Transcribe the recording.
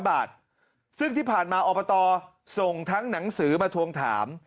บาทซึ่งที่ผ่านมาอบตส่งทั้งหนังสือมาทวงถาม